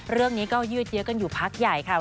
เรื่องนี้ก็ยืดเยอะกันอยู่พักใหญ่ค่ะ